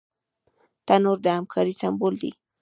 تنور د همکارۍ سمبول دی